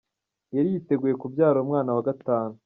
Yari yiteguye kubyara umwana wa gatanu.